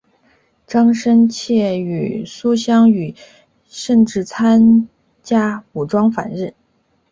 张深切与苏芗雨甚至参加武装反日。